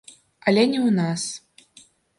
Але не ў нас.